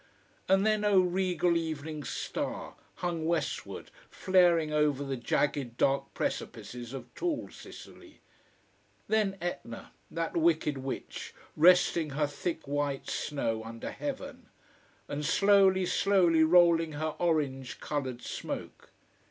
and then oh regal evening star, hung westward flaring over the jagged dark precipices of tall Sicily: then Etna, that wicked witch, resting her thick white snow under heaven, and slowly, slowly rolling her orange coloured smoke.